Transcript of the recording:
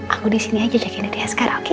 aku disini aja jagain dari askar oke